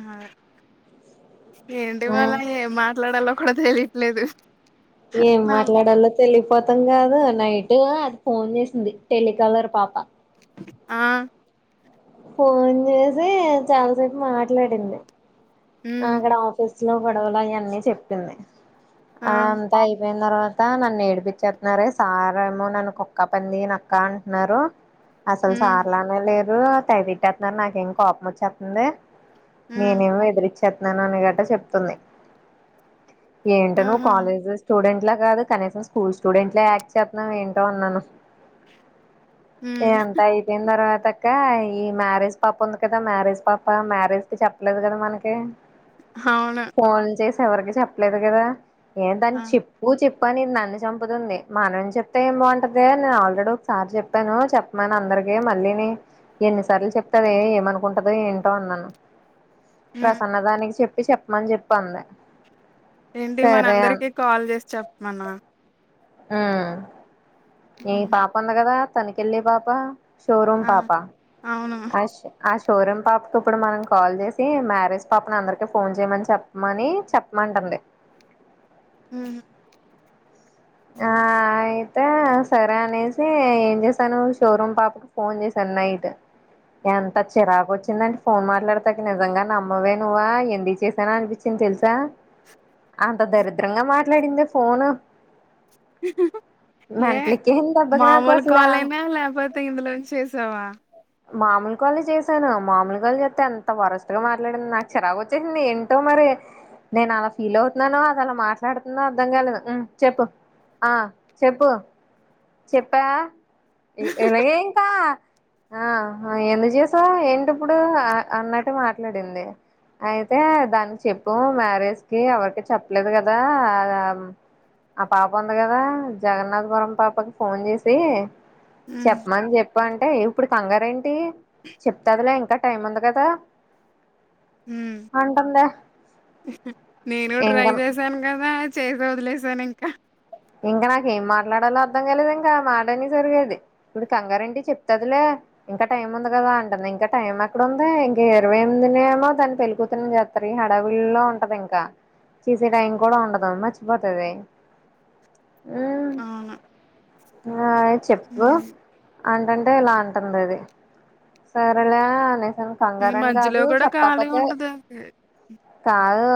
ఆ ఏంటి ఇవాళ ఏం మాట్లాడాలో కూడా తెలియట్లేదు ఏం ఆ! మాట్లాడాలో తెలీకపోతె అర్థం కాదు నైట్ అది ఫోన్ చేసింది టెలికాలర్ పాప ఆ! ఫోన్ చేసీ చాలా సేపు మాట్లాడింది హ్మ్. అక్కడ ఆఫీస్ సులో గొడవలు అయన్ని చెప్పింది ఆ అంతా అయిపోయి న తర్వాత నన్ను ఏడిపిచ్చేతున్నారే సార్ ఏమో నన్ను కుక్క పంది నక్క అంటున్నారు అసలు హ్మ్. సార్ లానే లేరు తెగ తిట్టేత్తున్నారు నాకేమొ కోపం వచ్చేత్తుంది హ్మ్. నేనేమో ఎదిరిచ్చేత్తున్నాను అని గట్టా చెప్తుంది ఏంటో నువ్వు ఆహా! కాలేజ్ స్టూడెంట్ లా కాదు కనీసం స్కూల్ స్టూడెంట్ లా యాక్ట్ చెత్తున్నావ్ ఏంట అన్నాను హ్మ్. ఇది అంత అయిపోయిన తర్వాత ఇంకా ఈ మ్యారేజ్ పాప ఉంది కదా మ్యారేజ్ పాప మ్యారేజ్ కి చెప్పలేదు కదా మనకి అవును. ఫోన్ చేసి ఎవరికి చెప్పలేదు కదా ఏ దాన్ని ఆ! చెప్పు చెప్పు కానీ నన్ను చంపుతుంది మనం చెప్తే ఏం బాగుంటదే నేను ఆల్రెడీ ఒకసారి చెప్పాను చెప్పమనీ అందరకి కే మళ్ళీనీ ఎన్నిసార్లు చెప్తవే ఏమనుకుంటదో ఏంటో అన్నాను ఊ అన్నదానికి చెప్పి చెప్పమని చెప్పి అంది ఏంటి సరే మనందరికీ కాల్ చేసి చెప్పమనా ఊ ఈ హుహు. పాప ఉంది కదా తన్ను కెళ్ళే పాప షోరూమ్ ఆ! పాపా అవును. అష్ అష్ షోరూం పాపకు ఇప్పుడు మనం కాల్ చేసి మ్యారేజ్ పాపను అందరికి ఫోన్ చేయమని చెప్పమని చెప్పమంటుంది [inaudible] ఉహు ఆయ్ తే సరే అనేసి ఏం చేసాను షోరూమ్ పాపకి ఫోన్ చేశాను నైట్ ఎంత చిరాకు వచ్చిందంటే ఫోన్ మాట్లాడతాకి నిజంగా నమ్మవే నువ్వా ఎందుకు చేసాన అనిపించింది తెలుసా అంత దరిద్రంగా మాట్లాడిందే ఫోను [inaudible] యే మెంట్లెక్కేసింది దెబ్బకి నాకు మామూలు అసలా కాలేనా లేకపోతే ఇందులోంచి చేసావా మామూలు కాలే చేశాను మామూలు కాలే చేస్తే ఎంత వరస్ట్ గా మాట్లాడింది నాకు చిరాకు వచ్చేసింది ఏంటో మరి నేను అలా ఫీల్ అవుతున్నానో అది అలా మాట్లాడుతుందో అర్ధం కాలేదు ఊ చెప్పు ఆ చెప్పు చెప్పా ఇ ఇలాగే ఇంకా ఆ ఎందుకు చేసావ్ ఏంటి ఇప్పుడు అ అన్నట్టు మాట్లాడింది అయితే దాన్ని చెప్పు మ్యారేజ్ కి ఎవరికి చెప్పలేదు కదా ఆ ఆం ఆ పాప ఉంది కదా జగన్నాథపురం పాపకి ఫోన్ చేసీ హ్మ్. చెప్పమని చెప్పంట అంటే ఇప్పుడు కంగారు ఎంటి చెప్తాదిలే ఇంకా టైం ఉంది కదా హూ అంటుందే నేనూ ఇంక ట్రై చేశాను కదా చేసి వదిలేసాను ఇంకా ఇంక నాకు ఏం మాట్లాడాలో అర్థం కాలేదు ఇంకా ఆ మాట అనేసరికి అది ఇప్పుడు కంగారేంటి చెప్తాదిలే ఇంక టైం ఉంది కదా అంటుంది ఇంక టైం ఎక్కడ ఉంది ఇంక ఇరవై ఎనిమిదీనే ఏమో దాన్ని పెళ్ళకూతుర్ని చేత్తరు ఈ హడావిల్లో ఉంటది ఇంకా చేసే టైం కూడా ఉండదు మర్చిపోతది ఉ అవును ఆయ్ చెప్పు హ్మ్. అంటంటే ఇలా అంటుంది అది సరేలే అనే అ ఈ కంగారు అని మధ్యలో కాదు గూడా ఖాళీ చెప్పకపోతే ఉండదు. కాదు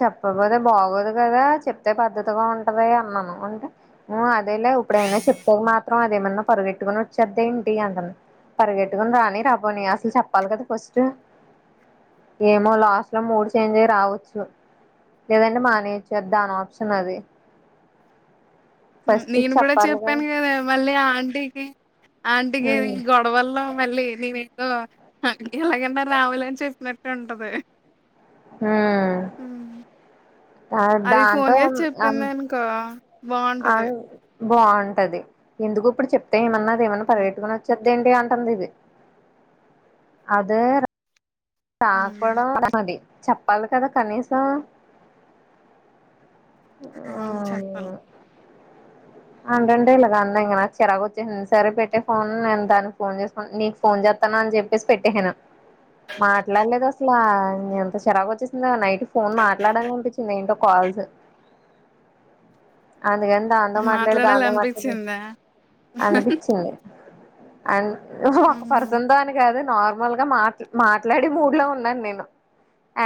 చెప్పపోతే బాగోదు కదా చెప్తే పద్దతిగా ఉంటది అన్నాను అంటే నువ్ అదేలే ఇప్పుడైనా చెప్పుక మాత్రం అదేమన్నా పరుగెట్టుకుని వచ్చేద్ది అంటాంది పరిగెట్టుకుని రాని రాపోని అసలు చెప్పాలి కదా ఫస్ట్ ఏమో లాస్ట్ లో మూడు చేంజ్ అయి రావచ్చు లేదంటే మనేచ్చు దాని ఆప్షన్ అది ఫస్ట్ ఇది నేను కూడా చెప్పాలి చెప్పాను కదా మళ్ళీ ఆంటీకి ఆంటికి హ్మ్ ఈ గొడవల్లో మళ్ళీ నేను ఏదో అ ఎలాగన్నా రావులే అని చెప్పినట్టు ఉంటది హు హ్మ్. అది ఫోన్ చేసి చెప్పింది అనుకో బాగుంటది బాగుంటది ఎందుకు ఇప్పుడు చెప్తే ఏమన్నాది ఏమన్నా హ్మ్. పగెత్తుకొని వచ్చే దిండి అంటుంది ఇది అదే హ్మ్. తకడం అది చెప్పాలి కదా కనీసం ఆ అవును చెప్పాలి. ఏమో [unintelligible] అని చెప్పేసి పెట్టేను మాట్లాడలేదు అసలు హ్మ్. ఎంత చెరాకు వచ్చేసిందో నైట్ ఫోన్ మాట్లాడాల అనిపించింది ఏంటో కాల్స్ అందుకని దాంతో మాట్లాడి దాంతో మాట్లాడి మాట్లాడాలనిపిచ్చిందా? అనిపిచింది అ ఒక హుహు. పర్సన్ తో అని కాదు నార్మల్ గా మాట్ మాట్లాడే మూడ్ లో ఉన్నాను నేను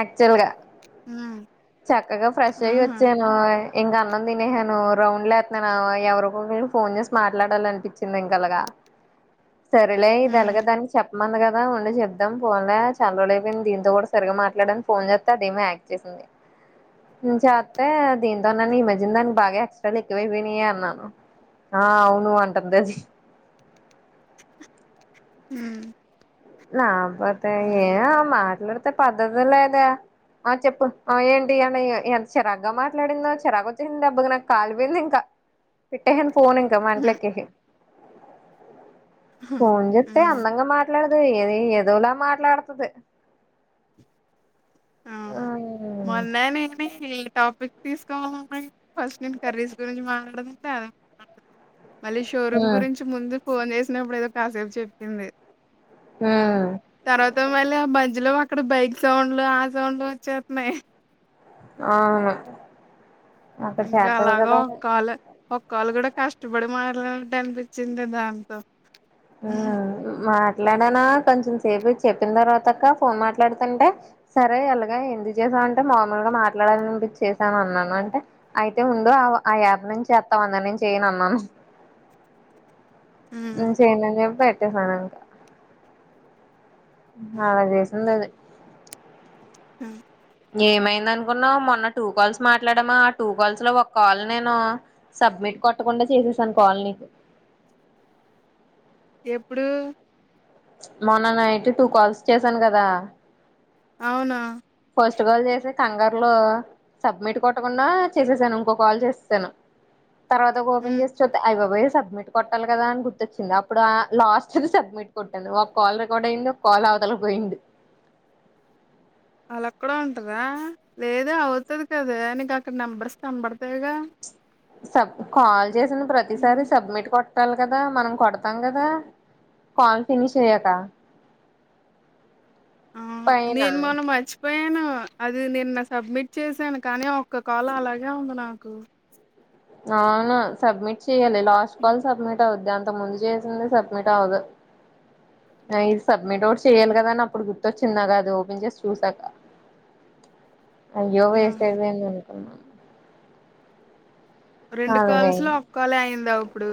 యాక్చువల్ గ హ్మ్. చక్కగా ఫ్రెష్ అయి ఆహా! వచ్చాను ఇంకా అన్నం తినేసాను రౌండ్ల నన్ను ఎవరికో [unintelligible] ఫోన్ చేసి మాట్లాడాల అనిపించింది ఇంకా అలాగా సరిలే ఇది అలాగ హ్మ్. దానికి చెప్ప మంది కదా ఉండి చెప్ద్దాం పోలే చల్లలేపోయింది దీంతో కూడా సరిగా మాట్లాడడిని ఫోన్ చేస్త అదేమి యాక్ చేసింది చేస్తతే దీంతోన్నాని ఈ మధ్య దానికి బాగా ఎక్స్ట్రా లే [unintelligible] ఆ అవును అంటందది [inaudible] హు నాబతే ఏ మాట్లాడతే పద్ధతిలో అదా ఆ చెప్పు ఏంటి అయనంత చెరార్గా మాట్లాడిందో చెరాగా వచ్చేసింది అబ్బ నాకు కాాలిపోయింది ఇంకా పిట్టేసాన్ ఫోన్ ఇంకా మెంటల్ హ్మ్. ఎక్కేసి హ్మ్. ఫోన్ చెస్తే హ్మ్. అందంగా మాట్లాడదు ఏది ఏదోలా మాట్లాడుతుది ఆ ఉమ్ మొన్నే నిలిపేసి ఈ టాపిక్ తీసుకోవమ్మ ఫస్ట్ నేను కర్రీస్ గురించి మాట్లాడదంటే అద మళ్ళీ షోరూమ్ ఉమ్ గురించి ముందు ఫోన్ చేసినప్పుడు ఏదో కాసేపు చెప్పింది ఆ తర్వాత మళ్ళీ ఆ బజ్లో అక్కడ బైక్ సౌండ్లు [unintelligible] అవును అక్కడ ఇంకా చేతది అలాగా కదా ఉమ్ కాల కాళ్ళు కూడా కష్టపడి మాట్లానట్టు అనిపించింది దాంతో మ మాట్లాడానా కొంచెం సేపు చెప్పిన తర్వాత అక్క ఫోన్ మాట్లాడుతుంటే సరే అలాగా ఎందుకు చే అంటే మామూలుగా మాట్లాడాలినిపించ చేసాను అన్నాను అంటే అయితే ముందు ఆ యాప్ నుంచి అస్తా అం చేయ అన్నను [inaudible] హ్మ్ చేన పెట్టేసానకా [inaudible] అ అలా చేసింది అది హ్మ్ ఏమైంద అనుకున్నావు మొన్న టూ కాల్స్ మాట్లాడమా ఆ టూ కాల్స్ లో ఒక కాల్ నేను సబ్మిట్ సబ్మిట్ కొట్టకుండా చేసేసాను కాల్ నీకు ఎప్పుడు మొన్న నైట్ టూ కాల్స్ చేసాను కదా అవునా ఫస్ట్ కాల్ చేస్తే కంగ కాంగర్లో సబ్మిట్ కొట్టకుండా చేసేసాను ఇంకో కాల్ చేసేసాను తర్వాకు ఓపెన్ హ్మ్ చేసి చుస్తే ఐ బాబోయ్ సబ్మిట్ కొట్టాలి కదా అని గుర్తొచ్చింది అప్పుడు ఆ లాస్ట్ సబ్మిట్ కొట్టను ఒక కాల్ రికార్డ్ అయింది కాల్ పదల పోయింది ఇలా కూడా ఉంటాదా లేదే అవుతది కదా నీకు అక్కడ నెంబర్స్ కంబడతాయిగా సబ్ కాల్ చేసిన ప్రతిసారి సబ్మిట్ కొట్ కోట్టాలి కదా మనం కొడతాం కదా కాల్ ఫినిష్ అయ్యాక ఆ పైన నేను మొన్న మర్చిపోయాను అది నిన్న సబ్మిట్ చేశాను కానీ ఒక్క కాల్ అలాగే ఉంది నాకు అవును సబ్మిట్ చేయ్యాలె, లాస్ట్ కాల్ సబ్మిట్ అవుద్ అంతకు ముందు చేసింది సబ్మిట్ అవ్వదు, ఆ ఇది సబ్మిటోడ్ చెయాలి గదాని అప్పుడు గుర్తొచ్చింది నాకది ఓపెన్ జేసి చూసాక అయ్యో వేస్ట్ ఆహా! అయిపోయింది అనుకున్నాన్ రెండు కాల్స్ లో ఒక్కాలే అయిందా ఒప్పుడు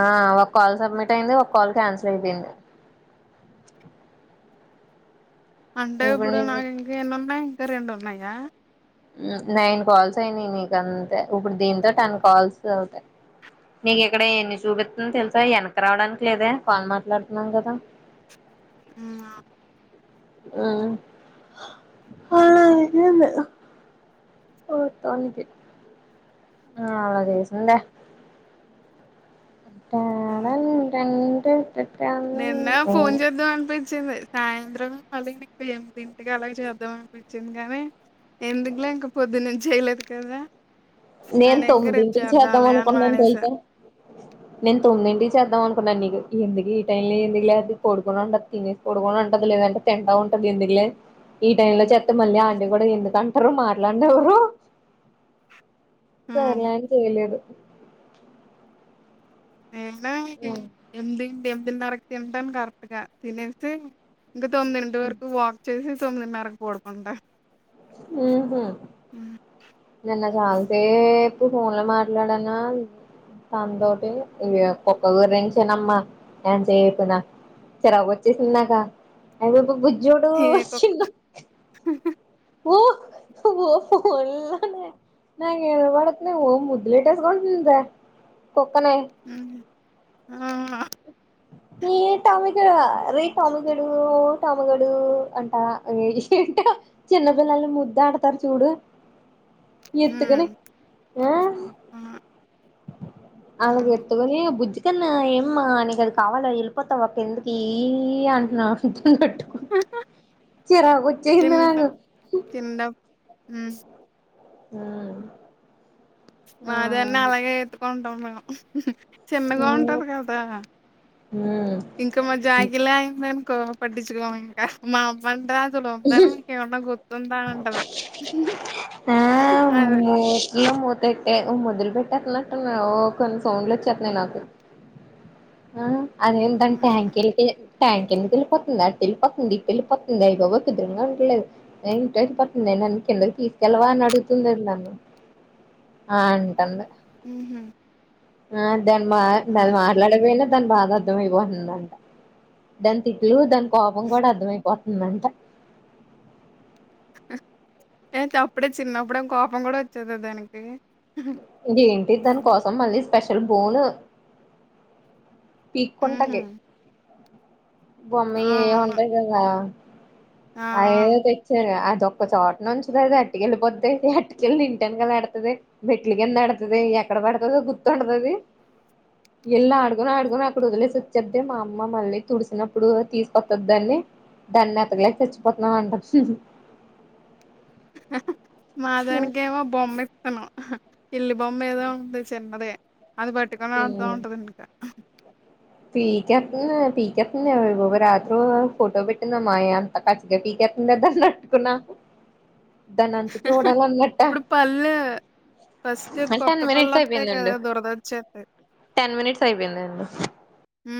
ఆ ఒక్కాల్ సబ్మిట్ అయింది ఒక్కాల్ క్యాన్సిల్ అయిపోయింది అంటే ఇప్పుడు నాకింకా ఎన్నున్నాయి ఇంక రెండున్నాయా ఉ నైన్ కాల్స్ అయినయి నీకంతే ఇప్పుడు దీంతో టెన్ కాల్స్ అవుతాయి నీకిక్కడ ఎన్ని సూపిత్తుంది తెల్సా, ఎనక్కు రావడానికి లేదే కాల్ మాట్లాడుతున్నాం గదా [unintelligible] హ్మ్ అవు ఉమ్ హా అలా అయ్యింది ఆ అలా జేసిందా తాడా ఎంటంటే నిన్నె ఫోన్ చేద్దాం అనిపించింది సాయంత్రం మళ్ళీ నీకు ఎనిమిదింటికి అలాగ చేద్దాం అనిపిచ్చింది గనీ ఎందుకులే ఇంక పొద్దునుంచేయలేదు కదా నేన్ అని ఇంకా రేపు తొమ్మిదింటికి చేద్దాంలే అని చేద్దామనుకున్నాను మానేసా తెలుసా, నేను తొమ్మిదింటికి చేద్దామనుకున్నాన్ నీకు ఎందుకులే ఈ టైమ్ లో ఎందుకులే పడుకొనుంటది, తినేసి పడుకొని ఉంటది. లేదంటె తింటావుంట ఎందుకులే ఈ టైం లో చేత్ టె మళ్ళీ ఆంటి గూడ ఎందుకంటరు మాట్లాడనివరు ఉమ్ సర్లే అని చేయలేదు నేనా ఎన్దిమ్టి ఎమిదిన్నరకు తింటాను కరెక్ట్గా తినేసి ఇంక తొమ్మిదింటి వరకు వాక్ చేసి తొమ్మిదిన్నరకు పడుకుంటా ఉమ్ హు ఉమ్, నిన్న ఉమ్. చాలసేప్ ఫోన్ల మాట్లాడానా అంతోటి ఈ పొక్క గురించేనమ్మా ఎంత్సేపు చిరాకోచ్చేసింద్నాక అవును బుజ్జోడు ఏ కుక్క అచ్చిండ ఓ ఓ పోళ్ళనే నాకిన బడ్తుంది ఓ ముద్దులేట్టేసుకుంటున్డ్రా ఉమ్ హు, ఆ హా నీ టామికి ఆ రే టామికడుగు టామికడుగు అంటా రీ చిన్నపిల్లల్ని ముద్దడుతారు చూడు ఎత్తుకోని ఉమ్ ఆ ఆ హ్మ్ అలాగెత్తుకొని ఆ బుజ్ కన్మా ఏమ్మా నీకది కావాల ఎళ్ళిపోతావ కిందకీ అంట్నా ట్టుకు చిరాకొచ్చేసింది నాకు ఉమ్ హ్ ఆ మాదన్న అలాగే ఎత్తుకుంటాం మేము చిన్నగా ఆ ఉంటది గదా ఇంక మా జాకీ లాగిందనుకో పట్టిచుకోం ఇంకా మా అమ్మన్ రాన్ దులోందర్ మీకేమన్నా గుర్తుందా అని అంటది. తా అది మూత్లో మూతెట్టే ఓ ముద్దులు పెట్టక్ నట్టున్నా ఓ కొన్ని సౌండ్లు వోచ్చేత్తన్నాయి నాకు ఆ అదేంటం హుహు ట్యాంకెల్లిపోయి ట్యాంకిందికెళ్ళిపోతుంది అటెళ్ళిపోతుంది ఇటెళ్ళిపోతుంది అయి బాబోయ్ కుద్రంగా ఉండట్లేదు ఇంటెళ్ళిపోతుంది నన్ను కిందకి తీసుకెళ్ళవా అని అడుగుతుంది అది నన్ను ఆ అంటంది ఉమ్ హు ఆ దాని మా దాని మాట్లాడ్లేకపోయిన దానికి బాగా అర్థంమయిపోతుందంట దాని తిట్లు, దాని కోపం గూడ అర్థమయిపోత్ మంట ఏంటి అప్పుడే చిన్నప్పుడే కోపం కూడా వోచ్చేది దానికి ఇందేంటి దాని హ్మ్ కోసం మళ్ళీ స్పెషల్ బోన్ హుహు పీక్కుంటది బొమ్మీ ఆ ఏం అవును ఉంటది కదా ఆ ఆ అదెదో తెచ్ఛారా ఆ తొక్క చోట నుంచి అది అట్టుకెళ్ళిపోద్ది అట్టుకెళ్ళి ఇంటెనకాల ఏడతది మెట్లు కింద ఎడతది ఎక్కడ పడుతుందిగుర్తుండదది ఎళ్ళ ఆడుకొని ఆడుకొని అక్కడ వోదిలేసి వచ్చద్దే మా అమ్మ మళ్ళీ తుడిసినప్పుడు తీసుకొత్తదాన్ని దాన్ని ఎతకలేక సచ్చిపోతున్నాం అంట హా హా మా దానికేమో బొమ్మె తను ఇల్లి బొమ్మ ఏదో ఉంది చిన్నదే అది పట్టుకొని ఆడుతా ఉంటది ఇంకా టీ కప్ టీ కప్ వో రాత్రో ఫోటో పెట్టటింద మాయా అంత పచ్చ పీకే ఉన్నదన్నట్టుక్కున్న దాన్ని అంతు చూడాలన్నట్ట ఇప్పుడు పళ్ళు ఫస్ట్ హా కొత్త టెన్ పళ్ళు మినిట్స్ వత్తాయి కదా ఐయిపోయిందండి దురదొచ్చేత్తది టెన్ మినిట్స్ ఐయిపోయిందండి